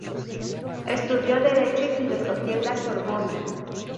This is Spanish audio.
Estudió derecho y filosofía en la Sorbona.